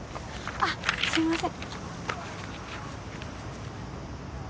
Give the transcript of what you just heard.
あっすいません。